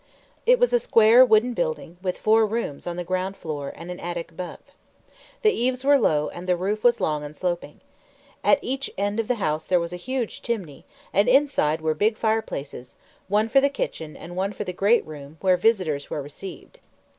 It was a square, wooden building, with four rooms on the ground floor and an attic above. The eaves were low, and the roof was long and sloping. At each end of the house there was a huge chimney; and inside were big fireplaces, one for the kitchen and one for the "great room" where visitors were received.